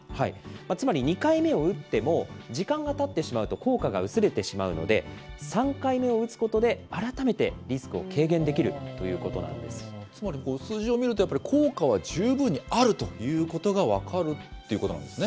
つまり２回目を打っても、時間がたってしまうと効果が薄れてしまうので、３回目を打つことで、改めてリスクを軽減できるということなんでつまり、数字を見るとやっぱり、効果は十分にあるということが分かるってことなんですね。